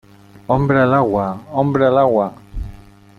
¡ hombre al agua! ¡ hombre al agua !